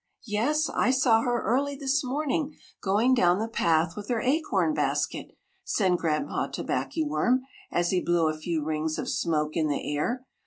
"Yes, I saw her early this morning going down the path with her acorn basket," said Granpa Tobackyworm as he blew a few rings of smoke in the air.